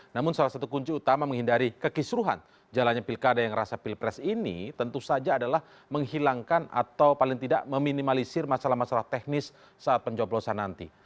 namun salah satu kunci utama menghindari kekisruhan jalannya pilkada yang rasa pilpres ini tentu saja adalah menghilangkan atau paling tidak meminimalisir masalah masalah teknis saat pencoblosan nanti